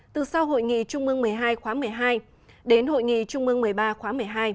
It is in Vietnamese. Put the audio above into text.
từ sau hội nghị trung mương một mươi hai khóa một mươi hai đến hội nghị trung mương một mươi ba khóa một mươi hai